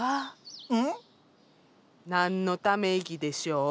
うん？何のため息でしょう？